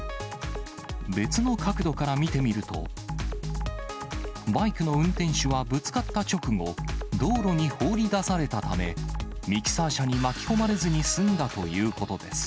別の角度から見てみると、バイクの運転手はぶつかった直後、道路に放り出されたため、ミキサー車に巻き込まれずに済んだということです。